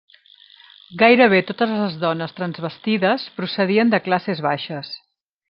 Gairebé totes les dones transvestides procedien de classes baixes.